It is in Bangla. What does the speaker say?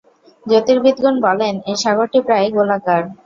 জ্যোতির্বিদগণ বলেন, এ সাগরটি প্রায় গোলাকার।